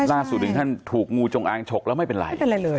น่าสูตรถึงท่านถูกงูจงอางชกแล้วไม่เป็นไร